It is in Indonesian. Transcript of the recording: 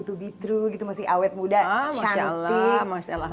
to be true masih awet muda cantik